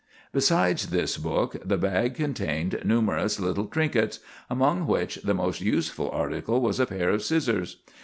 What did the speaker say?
Besides this book the bag contained numerous little trinkets, among which the most useful article was a pair of scissors.